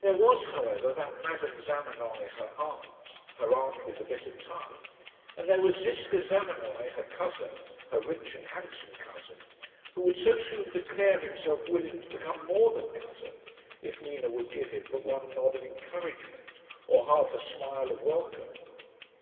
There was, however, that Madame Zamenoy, her aunt her aunt with the bitter tongue; and there was Ziska Zamenoy, her cousin her rich and handsome cousin, who would so soon declare himself willing to become more than cousin, if Nina would but give him one nod of encouragement, or half a smile of welcome.